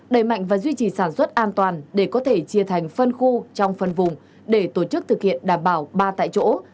đẩy mạnh và duy trì sản xuất an toàn để có thể chia thành phân khu trong phân vùng để tổ chức thực hiện đảm bảo ba tại chỗ